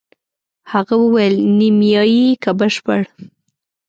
هغه وویل: نیمایي که بشپړ؟